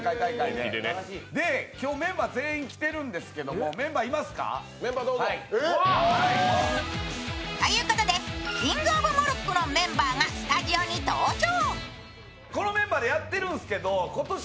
で、今日、メンバー全員来てるんですけどもメンバーいますか？ということで、キングオブモルックのメンバーがスタジオに登場。